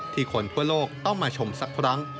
คนทั่วโลกต้องมาชมสักครั้ง